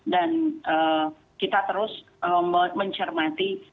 dan kita terus mencermati